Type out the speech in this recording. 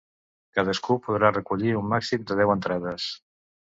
Cadascú podrà recollir un màxim de dues entrades.